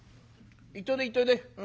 行っといで行っといで。